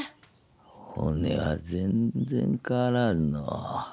おねは全然変わらんのう。